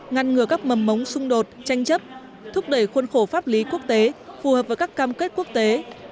ngăn ngừa các mầm mống xung đột tranh chấp thúc đẩy khuôn khổ pháp lý quốc tế phù hợp với các cam kết quốc tế